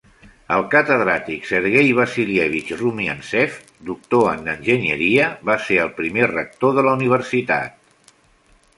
El catedràtic Sergey Vasilievich Rumiantsev, Doctor en enginyeria, va ser el primer rector de la universitat.